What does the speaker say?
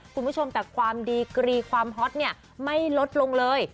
คุณผู้ชมแต่ความดีกรีความฮอตเนี่ยไม่ลดลงเลย